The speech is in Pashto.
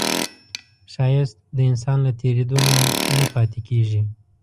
ښایست د انسان له تېرېدو نه نه پاتې کېږي